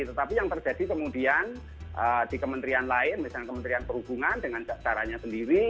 tetapi yang terjadi kemudian di kementerian lain misalnya kementerian perhubungan dengan caranya sendiri